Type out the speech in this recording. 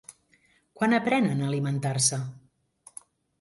Quan aprenen a alimentar-se?